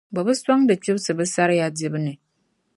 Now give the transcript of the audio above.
Bɛ bi sɔŋdi kpibisi bɛ saria dibu ni.